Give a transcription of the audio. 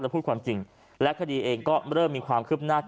พูดความจริงและคดีเองก็เริ่มมีความคืบหน้า